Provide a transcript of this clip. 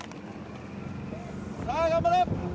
さあ頑張れ！